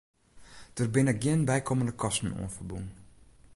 Der binne gjin bykommende kosten oan ferbûn.